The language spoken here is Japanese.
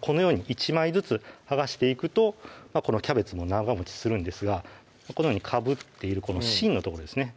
このように１枚ずつ剥がしていくとこのキャベツも長もちするんですがこのようにかぶっているこの芯の所ですね